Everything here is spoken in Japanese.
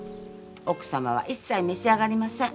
奥様は一切召し上がりません。